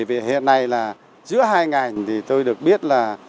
vì hiện nay là giữa hai ngành thì tôi được biết là